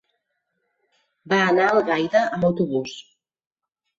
Va anar a Algaida amb autobús.